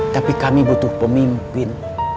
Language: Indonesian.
tapi kami butuh pemimpin